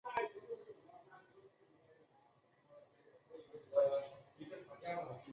此事件被意大利人称为七月二十五日事件。